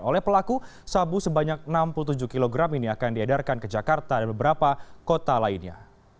oleh pelaku sabu sebanyak enam puluh tujuh kg ini akan diedarkan ke jakarta dan beberapa kota lainnya